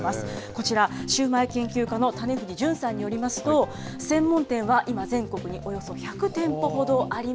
こちら、シュウマイ研究家の種藤潤さんによりますと、専門店は今、全国におよそ１００店舗ほどあり